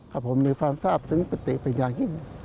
ครับผมมีความทราบซึ้งปิติเป็นอย่างยิ่ง